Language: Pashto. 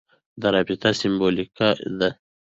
دا رابطه سېمبولیکه ده.